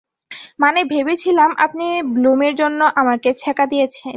মানে, ভেবেছিলাম আপনি ব্লুমের জন্য আমাকে ছ্যাকা দিয়েছিলেন।